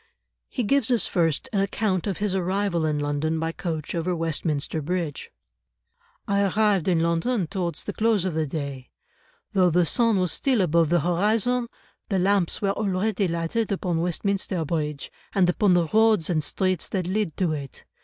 He gives us first an account of his arrival in London by coach over Westminster Bridge. "I arrived in London towards the close of the day. Though the sun was still above the horizon, the lamps were already lighted upon Westminster Bridge, and upon the roads and streets that lead to it.